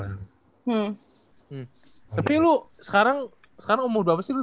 tapi lu sekarang sekarang umur berapa sih lu